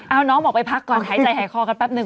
เอาน้องบอกไปพักก่อนหายใจหายคอกันแป๊บนึ